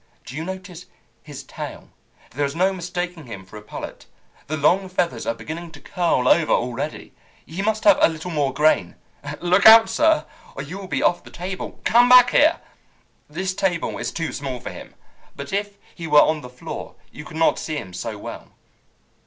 Do you notice his tail? There is no mistaking him for a pullet. The long feathers are beginning to curl over already. He must have a little more grain. Look out, sir, or you will be off the table! Come back here! This table is too small for him, but if he were on the floor you could not see him so well.